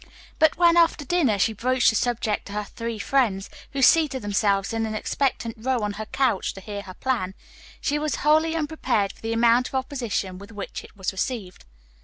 But when after dinner she broached the subject to her three friends, who had seated themselves in an expectant row on her couch to hear her plan, she was wholly unprepared for the amount of opposition with which it was received.